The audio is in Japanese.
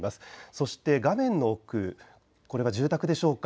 そして画面の奥、これは住宅でしょうか。